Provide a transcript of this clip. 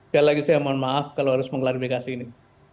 sekali lagi saya mohon maaf kalau harus mengklarifikasi ini